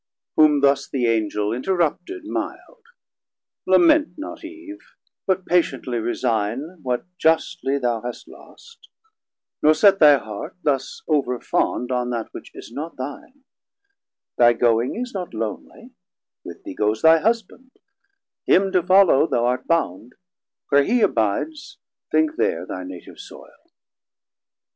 Whom thus the Angel interrupted milde. Lament not Eve, but patiently resigne What justly thou hast lost; nor set thy heart, Thus over fond, on that which is not thine; Thy going is not lonely, with thee goes 290 Thy Husband, him to follow thou art bound; Where he abides, think there thy native soile.